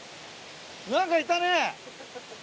何かいたね。